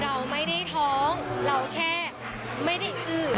เราไม่ได้ท้องเราแค่ไม่ได้อื้อ